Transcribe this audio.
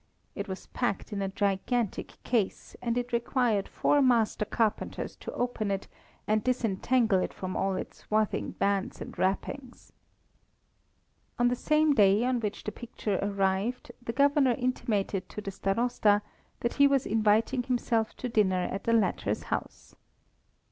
It was packed in a gigantic case, and it required four master carpenters to open it and disentangle it from all its swathing bands and wrappings. On the same day on which the picture arrived, the Governor intimated to the Starosta that he was inviting himself to dinner at the latter's house.